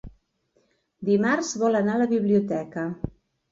Dimarts vol anar a la biblioteca.